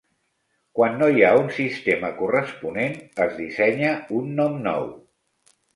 Quan no hi ha un sistema corresponent, es dissenya un nom nou.